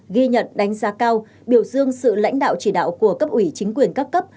ghi nhận đánh giá cao biểu dương sự lãnh đạo chỉ đạo của cấp ủy chính quyền các cấp